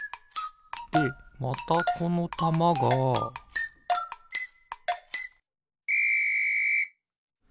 でまたこのたまがピッ！